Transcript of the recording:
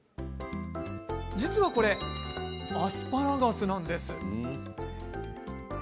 実はこれ、アスパラガスなんです。